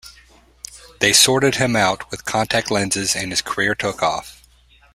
They sorted him out with contact lenses and his career took off.